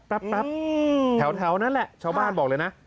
แป๊บแถวนั้นแหละชาวบ้านบอกเลยนะ